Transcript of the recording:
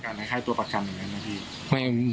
เป็นไงแค่ตัวปากชันเหรอนะพี่